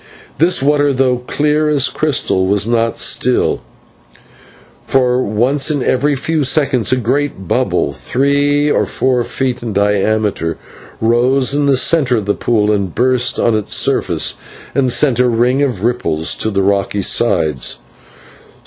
This water, though clear as crystal, was not still, for once in every few seconds a great bubble three or four feet in diameter rose in the centre of the pool, to burst on its surface and send a ring of ripples to the rocky sides.